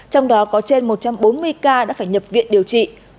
trong đó có trên một trăm bốn mươi ca đã phải nhập viện điều trị